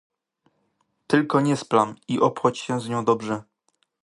"tylko nie splam, i obchodź się z nią dobrze."